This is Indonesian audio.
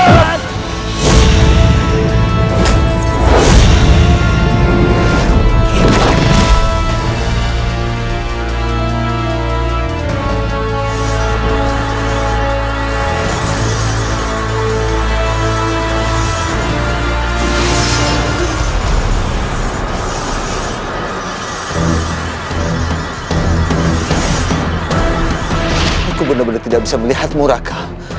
aku benar benar tidak bisa melihatmu raka